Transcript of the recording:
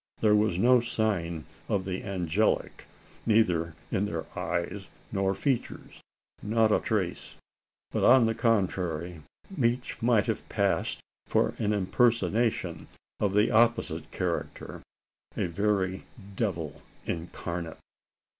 There was no sign of the angelic, neither in their eyes nor features not a trace; but, on the contrary, each might have passed for an impersonation of the opposite character a very "devil incarnate!"